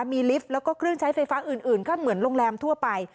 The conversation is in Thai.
มีลิฟต์แล้วก็เครื่องใช้ไฟฟ้าอื่นก็เหมือนโรงแรมทั่วไป